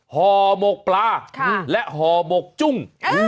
ห่อหมกปลาและห่อหมกจุ้ง